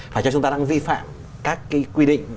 phải cho chúng ta đang vi phạm các cái quy định